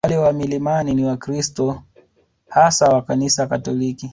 Wale wa milimani ni Wakristo hasa wa Kanisa Katoliki